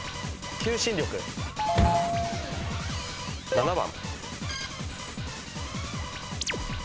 ７番。